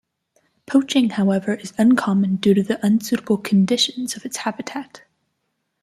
Poaching, however, is uncommon due to the unsuitable conditions of its habitat.